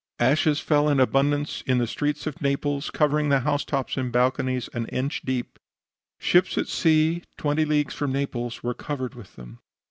Ashes fell in abundance in the streets of Naples, covering the housetops and balconies an inch deep. Ships at sea, twenty leagues from Naples, were covered with them.